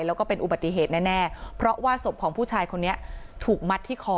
แล้วก็เป็นอุบัติเหตุแน่เพราะว่าศพของผู้ชายคนนี้ถูกมัดที่คอ